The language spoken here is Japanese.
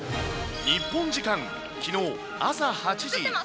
日本時間きのう朝８時。